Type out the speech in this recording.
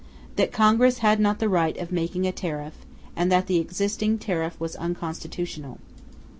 That Congress had not the right of making a tariff, and that the existing tariff was unconstitutional; II.